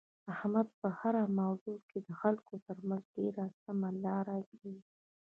احمد په هره موضوع کې د خلکو ترمنځ ډېره سمه لاره کوي.